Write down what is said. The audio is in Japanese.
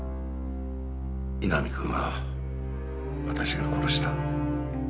井波くんは私が殺した。